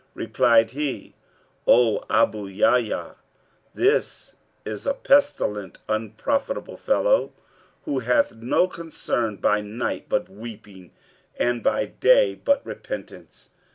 Replied he, 'O Abu Yahya, this is a pestilent unprofitable fellow, who hath no concern by night but weeping and by day but repentance.'